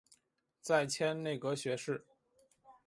再迁内阁学士。